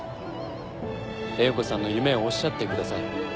英子さんの夢をおっしゃってください。